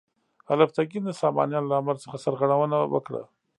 الپتکین د سامانیانو له امر څخه سرغړونه وکړه.